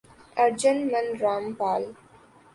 ارجن من را مپال